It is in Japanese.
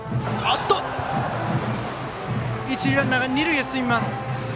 一塁ランナーが二塁へ進みます。